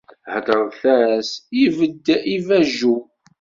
Heddreɣ-as, ibedd ibbajjew